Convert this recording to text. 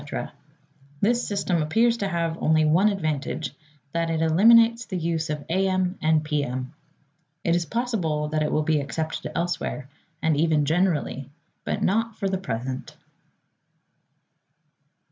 This system appears to have only one advantage, that it eliminates the use of A. M. and P. M. It is possible that it will be accepted elsewhere, and even generally, but not for the present.